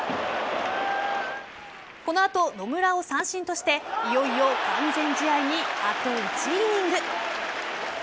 この後、野村を三振としていよいよ完全試合にあと１イニング。